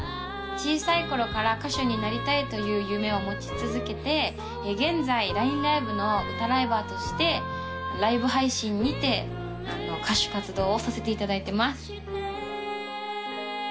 小さい頃から歌手になりたいという夢を持ち続けて現在ＬＩＮＥＬＩＶＥの歌ライバーとしてライブ配信にて歌手活動をさせていただいてます